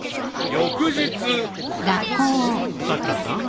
［翌日］さくらさん。